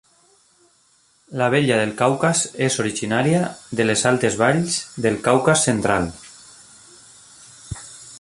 L'abella del Caucas és originaria de les altes valls del Caucas central.